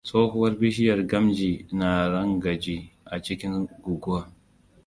Tsohuwar bishiyar gamji na rangaji a cikin guguwa